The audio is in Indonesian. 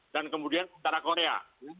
dan kemudian antara korea